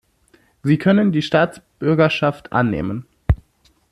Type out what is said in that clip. Sie können die Staatsbürgerschaft annehmen.